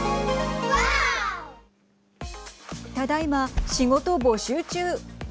ただいま仕事募集中。